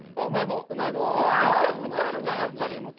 めちゃくちゃあるじゃんやっぱり。